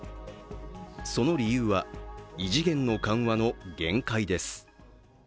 その理由は異次元の緩和の限界です。